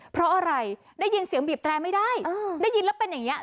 เพราะอะไรได้ยินเสียงบีบแตรไม่ได้ได้ยินแล้วเป็นอย่างนี้